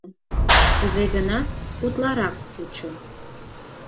Кузе-гынат утларак кучо.